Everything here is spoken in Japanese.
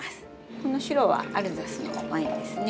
この白はアルザスのワインですね。